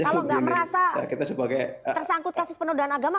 kalau nggak merasa tersangkut kasus penodaan agama